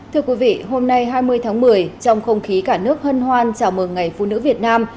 thưa quý vị hôm nay hai mươi tháng một mươi trong không khí cả nước hân hoan chào mừng ngày phụ nữ việt nam